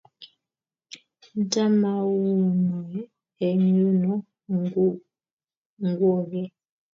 Nta maounoe eng yuno ngwonge.